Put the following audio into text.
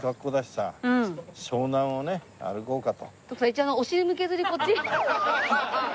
一応お尻向けずにこっち。